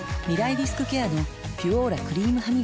リスクケアの「ピュオーラ」クリームハミガキ